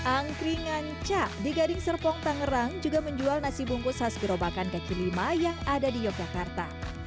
angkringan cak di gading serpong tangerang juga menjual nasi bungkus khas gerobakan kaki lima yang ada di yogyakarta